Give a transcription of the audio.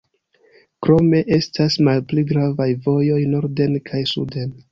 Krome estas malpli gravaj vojoj norden kaj suden.